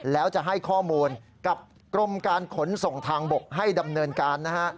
แล้วจะให้ข้อมูลกับกรมการขนส่งทางบกให้ดำเนินการนะฮะ